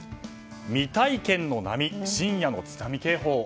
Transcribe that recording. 未体験の波、深夜の津波警報。